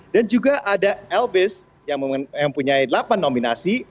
dan juga ada elvis yang mempunyai delapan nominasi